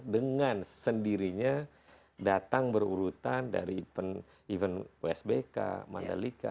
dengan sendirinya datang berurutan dari event wsbk mandalika